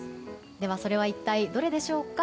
では、それは一体どれでしょうか。